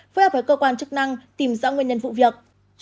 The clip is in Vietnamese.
phối hợp với cơ quan chức năng tìm rõ nguyên nhân vụ việc